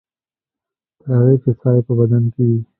تر هغې چې ساه یې په بدن کې وي.